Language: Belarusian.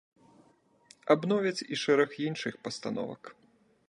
Абновяць і шэраг іншых пастановак.